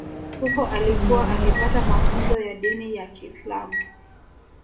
Huko alikuwa akipata mafunzo ya dini ya Kiislam